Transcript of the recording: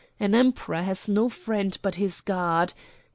An Emperor has no friend but his God.